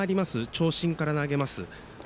長身から投げます。